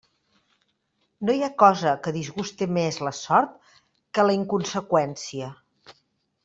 No hi ha cosa que disguste més la sort que la inconseqüència.